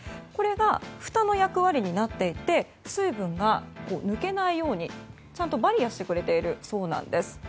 これが、ふたの役割になっていて水分が抜けないようにちゃんとバリアしてくれているそうなんです。